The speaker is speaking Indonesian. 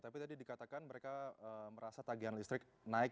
tapi tadi dikatakan mereka merasa tagihan listrik naik